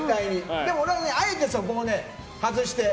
でも、あえてそこを外して。